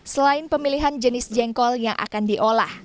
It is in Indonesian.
selain pemilihan jenis jengkol yang akan diolah